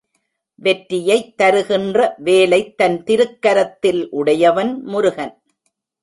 வெற்றியைத் தருகின்ற வேலைத் தன் திருக்கரத்தில் உடையவன் முருகன்.